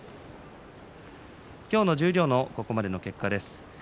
今日の十両のここまでの結果です。